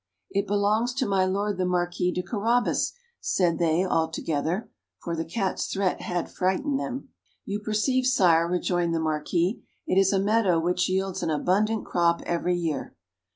"It belongs to my Lord the Marquis de Carabas," said they altogether, for the Cat's threat had frightened them. "You perceive, Sire," rejoined the Marquis, "it is a meadow which yields an abundant crop every year."